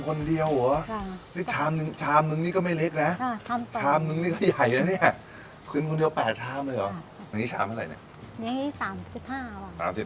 คนเดียวเหรอนี่ชามหนึ่งชามนึงนี่ก็ไม่เล็กนะชามนึงนี่ก็ใหญ่นะเนี่ยกินคนเดียว๘ชามเลยเหรออันนี้ชามเท่าไหร่เนี่ย